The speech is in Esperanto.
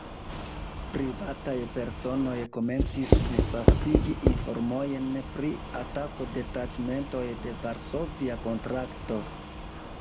Privataj personoj komencis disvastigi informojn pri atako de taĉmentoj de Varsovia Kontrakto.